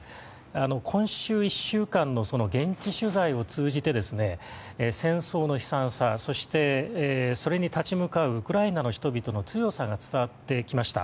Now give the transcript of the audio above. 今週１週間の現地取材を通じて戦争の悲惨さそして、それに立ち向かうウクライナの人々の強さが伝わってきました。